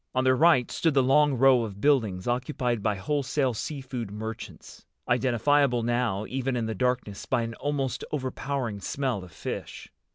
On their right stood the long row of buildings occupied by wholesale sea food merchants—identifiable now even in the darkness by an almost overpowering smell of fish.